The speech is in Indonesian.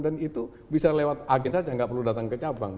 dan itu bisa lewat agen saja nggak perlu datang ke cabang